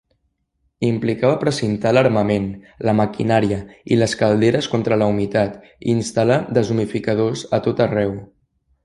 Implicava precintar l'armament, la maquinària i les calderes contra la humitat i instal·lar deshumidificadors a tot arreu.